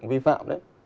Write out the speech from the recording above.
vi phạm đấy